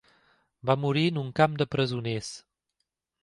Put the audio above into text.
Va morir en un camp de presoners.